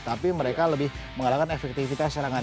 tapi mereka lebih mengalahkan efektivitas serangan